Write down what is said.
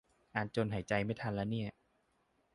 อ่านจนหายใจไม่ทันละเนี่ย